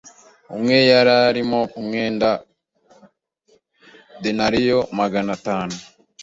umwe yarimo umwenda wa denariyo magana atanu,